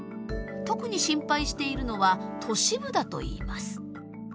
特に心配しているのは都市部だといいます。